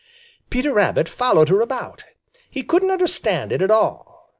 Peter Rabbit followed her about. He couldn't understand it at all.